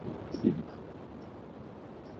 人的眼可分为感光细胞系统两部分。